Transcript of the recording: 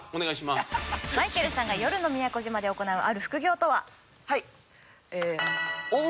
まいけるさんが夜の宮古島で行うある副業とは？